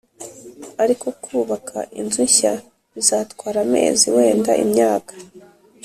ariko kubaka inzu nshya bizatwara amezi, wenda imyaka